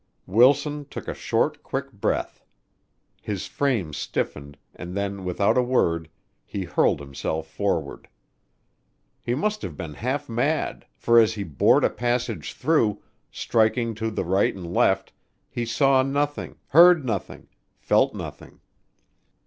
Wilson took a short, quick breath. His frame stiffened, and then without a word he hurled himself forward. He must have been half mad, for as he bored a passage through, striking to the right and left, he saw nothing, heard nothing, felt nothing.